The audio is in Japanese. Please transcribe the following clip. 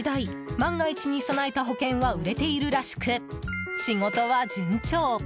万が一に備えた保険は売れているらしく、仕事は順調！